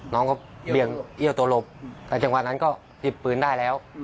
น้องก็เบี่ยงเอี้ยวตัวหลบแต่จังหวะนั้นก็หยิบปืนได้แล้ว